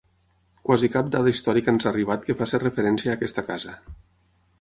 Quasi cap dada històrica ens ha arribat que faci referència a aquesta casa.